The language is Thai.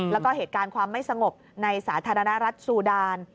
แล้วก็เหตุการณ์ความไม่สงบในสาธารณรัฐซูดาน